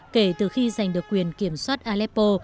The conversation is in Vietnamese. kể từ khi giành được quyền kiểm soát aleppo